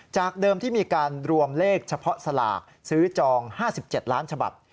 จากเดิมที่มีการรวมเลขเฉพาะสลากซื้อจอง๕๗ล้านฉบับ